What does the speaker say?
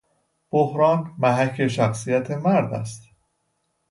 بحران محک شخصیت مرد است.